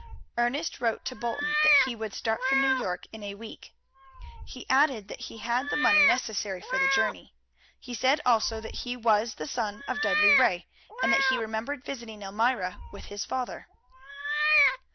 Ernest wrote to Bolton that he would start for New York in a week. He added that he had the money necessary for the journey. He said also that he was the son of Dudley Ray, and that he remembered visiting Elmira with his father.